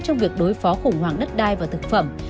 trong việc đối phó khủng hoảng đất đai và thực phẩm